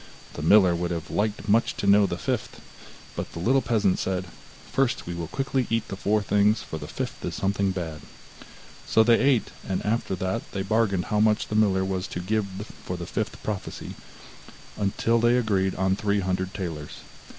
The miller would have liked much to know the fifth, but the little peasant said: 'First, we will quickly eat the four things, for the fifth is something bad.' So they ate, and after that they bargained how much the miller was to give for the fifth prophecy, until they agreed on three hundred talers.